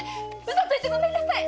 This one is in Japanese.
嘘ついてごめんなさい！